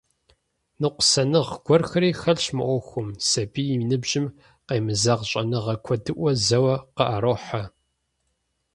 Ныкъусаныгъэ гуэрхэри хэлъщ мы Ӏуэхум — сабийм и ныбжьым къемызэгъ щӀэныгъэ куэдыӀуэ зэуэ къыӀэрохьэ.